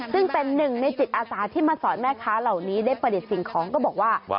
ซึ่งเป็นหนึ่งในจิตอาสาที่มาสอนแม่ค้าเหล่านี้ได้ประดิษฐ์สิ่งของก็บอกว่า